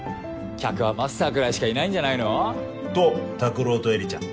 客はマスターぐらいしかいないんじゃないの？と拓郎と絵里ちゃん。